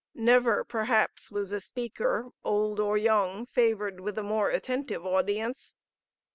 Never, perhaps, was a speaker, old or young, favored with a more attentive audience....